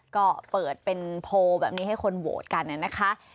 ก็เปิดเป็นโพลแบบนี้ให้คนโหวตกันนะคะ